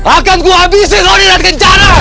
akan ku habisi kau ingrat kencana